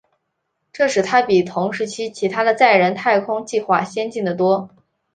这使它比同时期其它的载人太空计划先进得多。